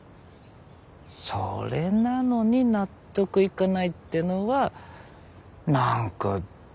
それなのに納得いかないってのは何かちょっとダサいわ。